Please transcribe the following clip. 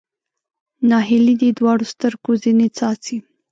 ناهیلي دې دواړو سترګو ځنې څاڅي